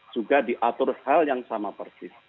juga diatur hal yang sama persis